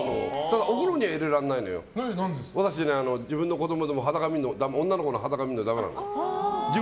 私、自分の子供で女の子の裸を見るのはダメなの。